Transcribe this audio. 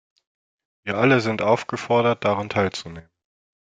Wir alle sind aufgefordert, daran teilzunehmen.